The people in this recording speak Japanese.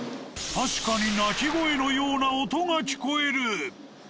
確かに泣き声のような音が聞こえる。